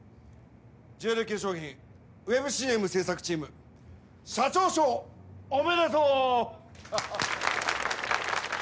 ・ジュエル化粧品ウェブＣＭ制作チーム社長賞おめでとう。